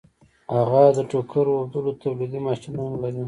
هغه د ټوکر اوبدلو تولیدي ماشینونه لري